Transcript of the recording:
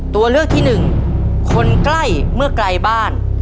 ตัวเลือกที่หนึ่งคนใกล้เมื่อไกลบ้าน